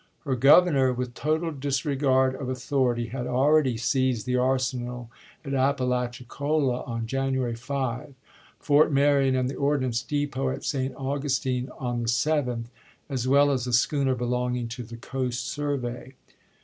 Her Governor, with total disregard of authority, had already seized the arsenal at Appalachicola on January 5, Fort Marion i86i. and the ordnance depot at St. Augustine on the 7th, as well as a schooner belonging to the Coast Survey.